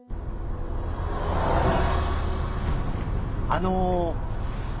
あの。